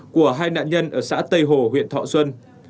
của hai nạn nhân ở xã tây hồ huyện thọ xuân